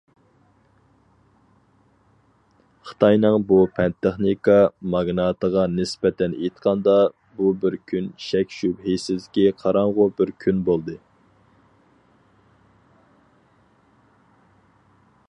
خىتاينىڭ بۇ پەن-تېخنىكا ماگناتىغا نىسبەتەن ئېيتقاندا، بۇ بىر كۈن شەك-شۈبھىسىزكى قاراڭغۇ بىر كۈن بولدى.